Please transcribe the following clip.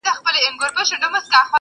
د سپي دا وصیت مي هم پوره کومه-